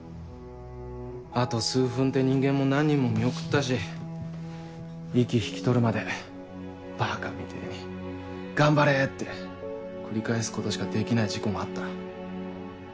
あと数分って人間も何人も見送ったし息引き取るまでバカみてぇに「頑張れ」って繰り返すことしかできない事故もあった。